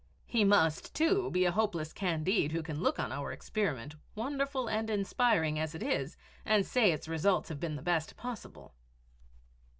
He must, too, be a hopeless Candide who can look on our experiment, wonderful and inspiring as it is, and say its results have been the best possible.